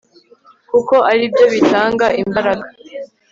kuko ari byo bitanga imbaraga